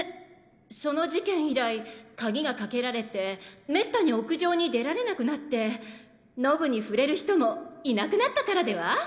その事件以来鍵がかけられて滅多に屋上に出られなくなってノブに触れる人もいなくなったからでは？